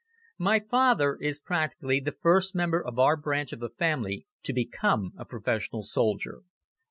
My father is practically the first member of our branch of the family to become a professional soldier.